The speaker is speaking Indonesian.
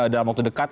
dalam waktu dekat